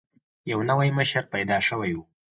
یو نوی مشر پیدا شوی وو.